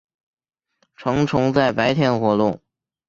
成虫在白天活动。